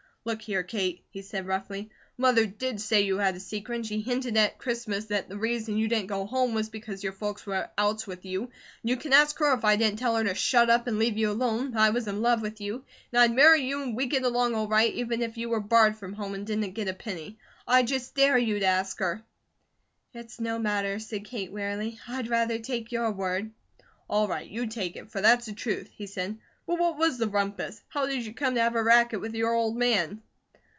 "Look here, Kate," he said, roughly. "Mother did say you had a secret, and she hinted at Christmas that the reason you didn't go home was because your folks were at outs with you, and you can ask her if I didn't tell her to shut up and leave you alone, that I was in love with you, and I'd marry you and we'd get along all right, even if you were barred from home, and didn't get a penny. I just dare you to ask her." "It's no matter," said Kate, wearily. "I'd rather take your word." "All right, you take it, for that's the truth," he said. "But what was the rumpus? How did you come to have a racket with your old man?"